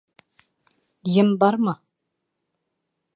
Ем бармы?